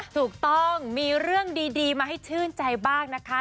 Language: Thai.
ถูกต้องมีเรื่องดีมาให้ชื่นใจบ้างนะคะ